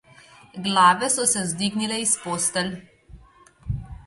Glave so se vzdignile iz postelj.